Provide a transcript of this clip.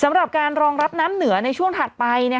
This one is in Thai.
สำหรับการรองรับน้ำเหนือในช่วงถัดไป